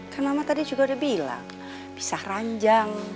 kan mama tadi juga udah bilang pisah ranjang